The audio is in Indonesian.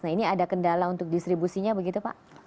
nah ini ada kendala untuk distribusinya begitu pak